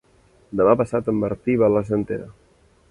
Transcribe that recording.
Demà passat en Martí va a l'Argentera.